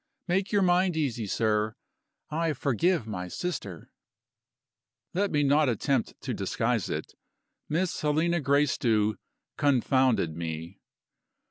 Make your mind easy, sir, I forgive my sister." Let me not attempt to disguise it Miss Helena Gracedieu confounded me.